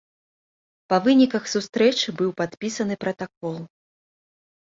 Па выніках сустрэчы быў падпісаны пратакол.